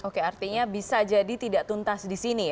oke artinya bisa jadi tidak tuntas di sini ya